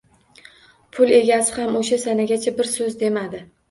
Pul egasi ham o‘sha sanagacha bir so‘z demadi.